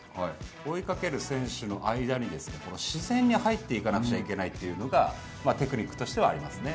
追いかける選手の間に自然に入っていかなくちゃいけないというのが、テクニックとしてはありますね。